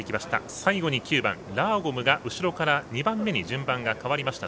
最後に９番ラーゴムが後ろから２番目に順番が変わりました。